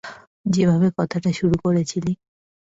যেভাবে কথাটা শুরু করেছিলি!